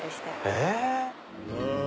え